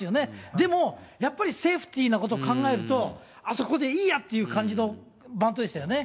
でも、やっぱりセーフティーなこと考えると、あそこでいいやっていう感じのバントでしたよね。